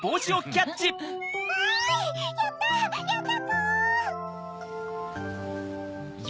わいやったやったポ！